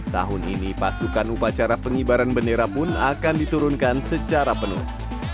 tahun ini pasukan upacara pengibaran bendera pun akan diturunkan secara penuh